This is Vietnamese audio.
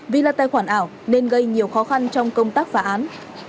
vì là tài khoản ảo nên gây nhiều khó khăn trong công tác phá án